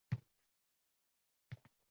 Uni yupatish, ovutish uchun tasallilar izladi